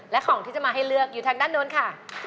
และของที่จะมาให้เลือกอยู่ทางด้านโน้นค่ะ